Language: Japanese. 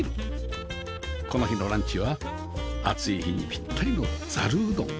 この日のランチは暑い日にピッタリのざるうどん